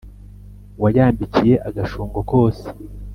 wayambikiye agashungo kose